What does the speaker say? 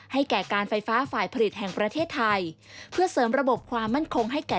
แก่การไฟฟ้าฝ่ายผลิตแห่งประเทศไทยเพื่อเสริมระบบความมั่นคงให้แก่